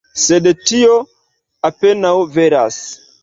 Sed tio apenaŭ veras.